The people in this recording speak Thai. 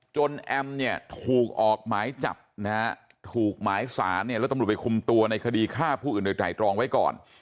แอมเนี่ยถูกออกหมายจับนะฮะถูกหมายสารเนี่ยแล้วตำรวจไปคุมตัวในคดีฆ่าผู้อื่นโดยไตรตรองไว้ก่อน